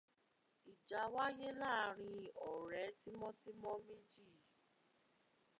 Ìjà wáyé láàrin ọ̀rẹ́ tímọ́-tímọ́ méjì.